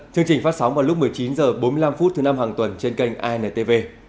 chương trình phát sóng vào lúc một mươi chín h bốn mươi năm thứ năm hàng tuần trên kênh intv